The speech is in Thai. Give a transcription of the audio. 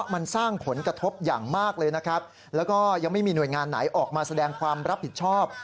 มากเลยนะครับแล้วก็ยังไม่มีหน่วยงานไหนออกมาแสดงความรับผิดชอบ